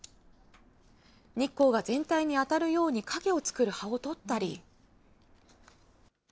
日光が全体に当たるように陰を作る葉を取ったり。